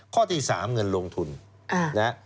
ข้อที่สามเงินลงทุน